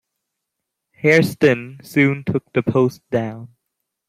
Hairston soon took the post down.